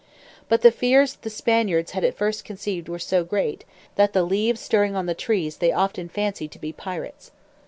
But the fears the Spaniards had at first conceived were so great, that the leaves stirring on the trees they often fancied to be pirates.